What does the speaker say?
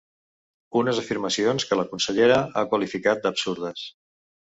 Unes afirmacions que la consellera ha qualificat d’absurdes.